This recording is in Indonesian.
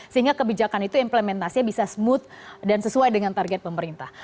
sehingga kebijakan itu implementasinya bisa smooth dan sesuai dengan target pemerintah